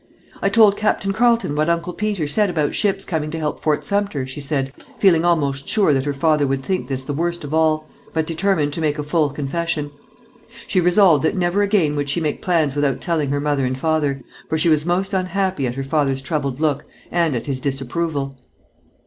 "I told Captain Carleton what Uncle Peter said about ships coming to help Fort Sumter," she said, feeling almost sure that her father would think this the worst of all, but determined to make a full confession. She resolved that never again would she make plans without telling her mother and father, for she was most unhappy at her father's troubled look, and at his disapproval.